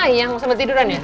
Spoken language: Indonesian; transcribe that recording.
iya mau sambil tiduran ya